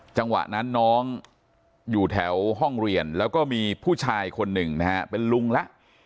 จังหวะนั้นน้องอยู่แถวห้องเรียนแล้วก็มีผู้ชายคนหนึ่งนะฮะเป็นลุงแล้ว